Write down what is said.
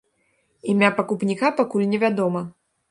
Імя пакупніка пакуль не вядома.